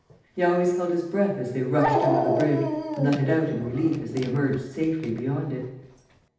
He always held his breath as they rushed under the bridge, and let it out in relief as they emerged safely beyond it.